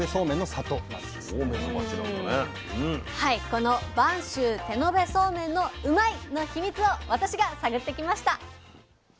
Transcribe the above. この播州手延べそうめんのうまいッ！の秘密を私が探ってきました。